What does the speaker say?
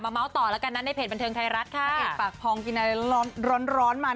เมาส์ต่อแล้วกันนะในเพจบันเทิงไทยรัฐค่ะพระเอกปากพองกินอะไรร้อนร้อนมา